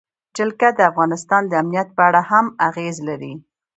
جلګه د افغانستان د امنیت په اړه هم اغېز لري.